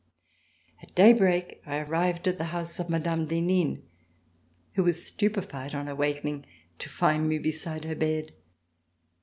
At daybreak, I arrived at the house of Mme. d'Henin who was stupified on awakening to find me beside her bed.